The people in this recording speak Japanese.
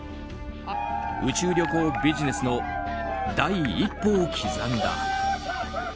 宇宙旅行ビジネスの第一歩を刻んだ。